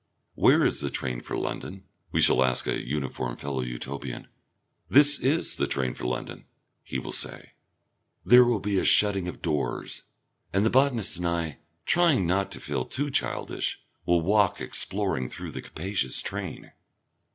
"Where is the train for London?" we shall ask a uniformed fellow Utopian. "This is the train for London," he will say. There will be a shutting of doors, and the botanist and I, trying not to feel too childish, will walk exploring through the capacious train.